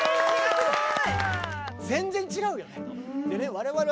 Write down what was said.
すごい！